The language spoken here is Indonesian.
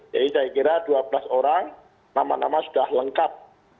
jadi saya kira dua belas orang nama nama sudah lengkap